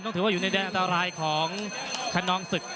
ก็อยู่ในด้านอันตรายของขนองศึก